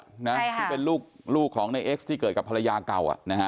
ใช่ค่ะที่เป็นลูกของในเอ็กซที่เกิดกับภรรยาเก่าอ่ะ